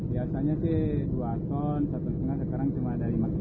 biasanya sih dua ton satu lima sekarang cuma ada lima kilo